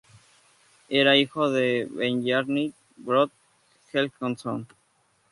Era hijo de Bjarni Brodd-Helgason.